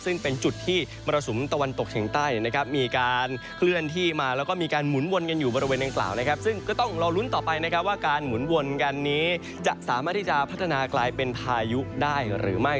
ซึ่งเป็นจุดที่มรสุมตะวันตกเฉียงใต้นะครับมีการเคลื่อนที่มาแล้วก็มีการหมุนวนกันอยู่บริเวณดังกล่าวนะครับซึ่งก็ต้องรอลุ้นต่อไปนะครับว่าการหมุนวนกันนี้จะสามารถที่จะพัฒนากลายเป็นพายุได้หรือไม่